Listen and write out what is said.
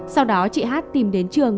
sau đó chị hát tìm đến trường